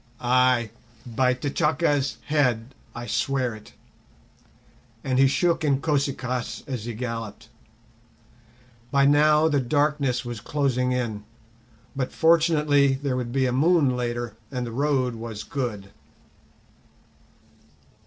Ay, by T'Chaka's head I swear it!" and he shook Inkosi kaas as he galloped. By now the darkness was closing in, but fortunately there would be a moon later, and the road was good.